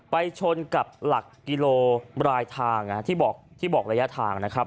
ชนกับหลักกิโลรายทางที่บอกระยะทางนะครับ